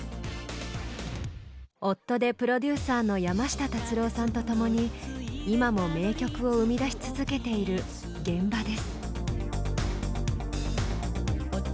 夫でプロデューサーの山下達郎さんと共に今も名曲を生み出し続けている「現場」です。